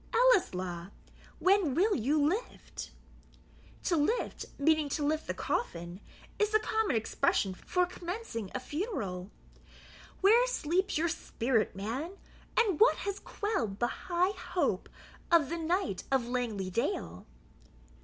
Ellieslaw, when will you LIFT? [To LIFT, meaning to lift the coffin, is the common expression for commencing a funeral.] where sleeps your spirit, man? and what has quelled the high hope of the Knight of Langley dale?"